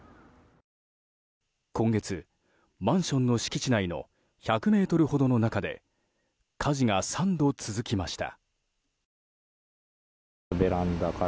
今月、マンションの敷地内の１００ｍほどの中で火事が３度続きました。